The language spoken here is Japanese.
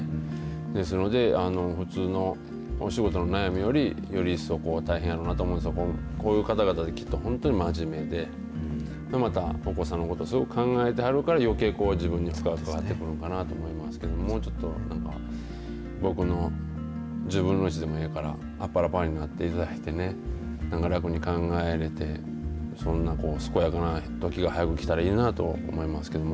ですので、普通のお仕事の悩みより、より一層大変やろうなと思うんですけど、こういう方々って、きっと本当に真面目で、また、お子さんのことすごく考えてはるから、よけい自分がつらくなってくるのなと思いますけど、もうちょっとなんか、僕の１０分の１でもええから、ぱっぱらぱーになっていただいてね、なんか楽に考えられて、そんな健やかなときが早く来たらいいかなと思いますけども。